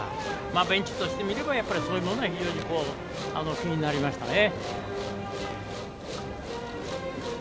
ベンチとしてみればそういうものは非常に気になりましたね。